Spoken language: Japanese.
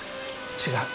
違う。